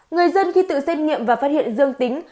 người dân khi tự xét nghiệm và phát hiện dương tính